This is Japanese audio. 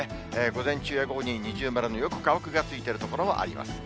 午前中や午後に二重丸のよく乾くがついてる所もあります。